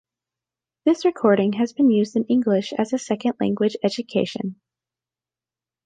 This recording has been used in English as a second language education.